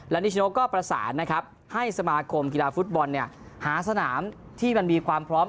และนิชโนก็ประสานนะครับให้สมาคมกีฬาฟุตบอลเนี่ยหาสนามที่มันมีความพร้อม